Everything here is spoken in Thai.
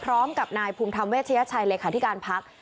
พร้อมกับนายภูมิธรรมเวชยชัยเลขาธิการพัก